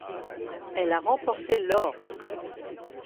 Elle a remporté l'or.